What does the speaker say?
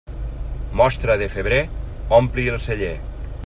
Mostra de febrer ompli el celler.